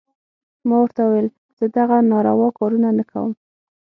ما ورته وويل زه دغه ناروا کارونه نه کوم.